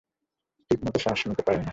ঠিকমত শ্বাস নিতে পারে না।